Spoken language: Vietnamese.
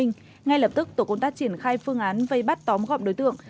ngay lập tức tổ công tác triển khai phương án vây bắt tóm gọn đối tượng